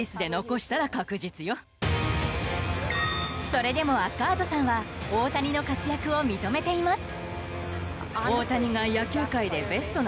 それでもアッカートさんは大谷の活躍を認めています。